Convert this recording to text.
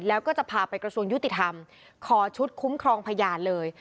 แล้วก็จะพาไปกระทรวงยุติธรรมขอชุดคุ้มครองพยานเลย